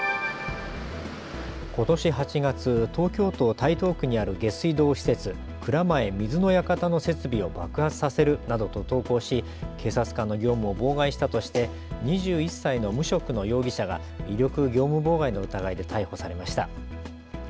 ことし８月、東京都台東区にある下水道施設、蔵前水の館の設備を爆発させるなどと投稿し警察官の業務を妨害したとして２１歳の無職の容疑者が威力業務妨害の疑いで逮捕されました。